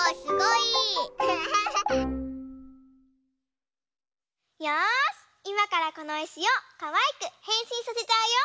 いまからこのいしをかわいくへんしんさせちゃうよ！